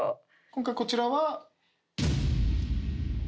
今回こちらは？